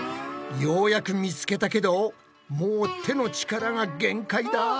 ようやく見つけたけどもう手の力が限界だ。